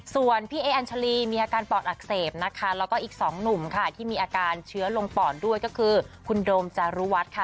ส่วนพี่เออัญชาลีมีอาการปอดอักเสบนะคะแล้วก็อีกสองหนุ่มค่ะที่มีอาการเชื้อลงปอดด้วยก็คือคุณโดมจารุวัฒน์ค่ะ